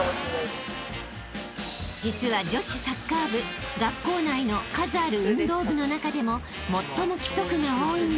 ［実は女子サッカー部学校内の数ある運動部の中でも］